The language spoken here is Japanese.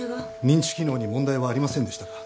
認知機能に問題はありませんでしたか？